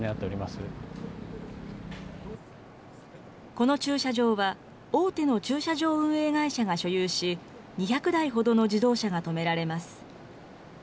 この駐車場は、大手の駐車場運営会社が所有し、２００台ほどの自動車が止められます。